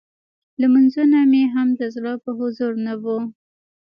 لمونځونه مې هم د زړه په حضور نه وو.